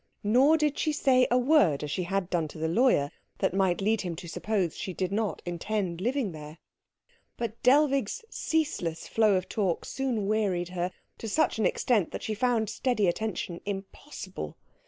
Nor did she say a word, as she had done to the lawyer, that might lead him to suppose she did not intend living there. But Dellwig's ceaseless flow of talk soon wearied her to such an extent that she found steady attention impossible.